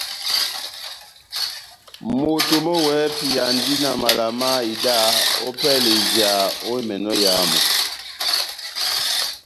Moto mɔ́ wɛ́hɛ́pi andi na mala na ida ópɛlɛ ya ija ó emɛnɔ éyamu.